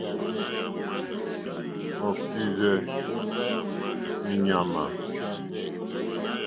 Ɔ́ kírzɛ́ è ŋmánà.